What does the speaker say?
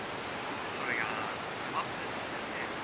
それがスマホなくしちゃって。